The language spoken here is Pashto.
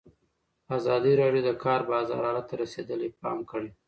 ازادي راډیو د د کار بازار حالت ته رسېدلي پام کړی.